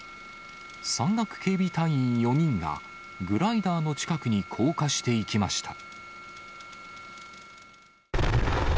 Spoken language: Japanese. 山岳警備隊員４人が、グライダーの近くに降下していきました。